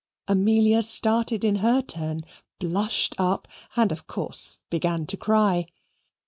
Amelia started in her turn, blushed up, and, of course, began to cry.